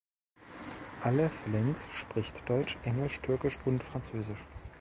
Alev Lenz spricht Deutsch, Englisch, Türkisch und Französisch.